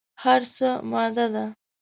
هر څه ماده ده.